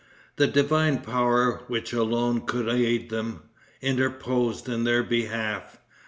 That divine power which alone could aid them, interposed in their behalf.